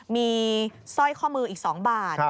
มีสร้อยข้อมืออีก๒บาท